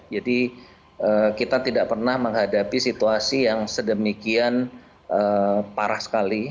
jadi kita tidak pernah menghadapi situasi yang sedemikian parah sekali